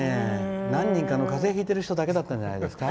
何人かのかぜひいてる人だけだったんじゃないですかね。